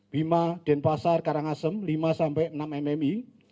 bima denpasar karangasem lima sampai enam mmi